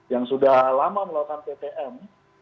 yang sudah lama melakukan ptm